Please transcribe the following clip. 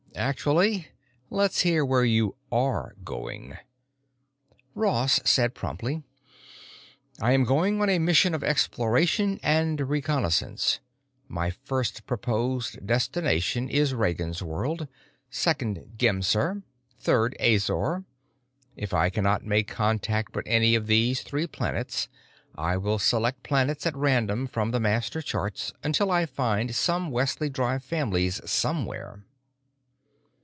Actually, let's hear where you are going." Ross said promptly, "I am going on a mission of exploration and reconnaissance. My first proposed destination is Ragansworld; second Gemser, third Azor. If I cannot make contact with any of these three planets, I will select planets at random from the master charts until I find some Wesley Drive families somewhere.